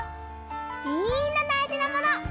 みんなだいじなもの！